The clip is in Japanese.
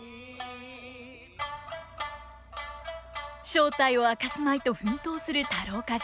正体を明かすまいと奮闘する太郎冠者。